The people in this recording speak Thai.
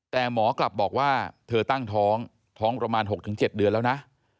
แต่หมอกลับบอกว่าเธอตั้งท้องท้องประมาณ๖๗เดือนแล้วนะ